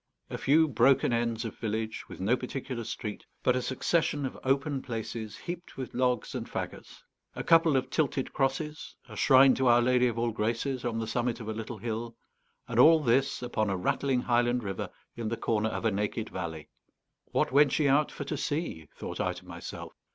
A few broken ends of village, with no particular street, but a succession of open places heaped with logs and fagots; a couple of tilted crosses, a shrine to Our Lady of all Graces on the summit of a little hill; and all this, upon a rattling highland river, in the corner of a naked valley. What went ye out for to see? thought I to myself.